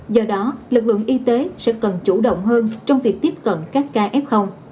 do đó lực lượng y tế sẽ cần chủ động hơn trong việc tiếp cận các ca f